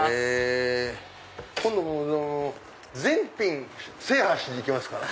今度全品制覇しに来ますから。